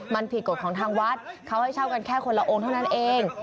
มันผิดกฎของทางวัดเขาให้เช่ากันแค่คนละองค์เท่านั้นเอง